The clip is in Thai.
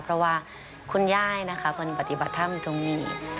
เพราะว่าคุณย่ายนะคะคนปฏิบัติธรรมตรงนี้